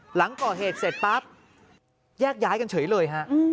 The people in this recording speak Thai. หลังก่อเหตุเสร็จปั๊บแยกย้ายกันเฉยเลยฮะ